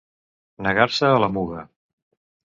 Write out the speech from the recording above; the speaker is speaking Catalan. Negar-se a la Muga.